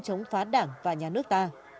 chống phá đảng và nhà nước ta